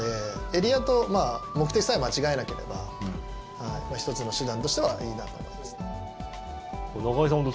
エリアと目的さえ間違わなければ１つの手段としてはいいなと。